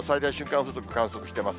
風速を観測してます。